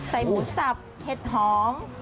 หมูสับเห็ดหอม